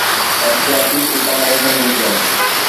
احتياطي اپاءَ وٺڻ گهرجن